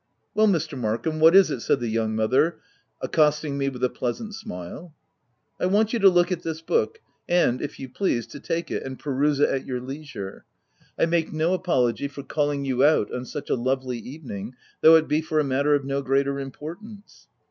" Well, Mr. Markham, what is it?" said the young mother, accosting me with a pleasant smile. "I want you to look at this book, and, if you please, to take it, and * peruse it at your leisure. I make no apology for calling you out on such a lovely evening though it be for a matter of no greater importance."